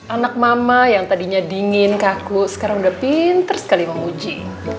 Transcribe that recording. anak mama yang tadinya dingin kaku sekarang udah pinter sekali memuji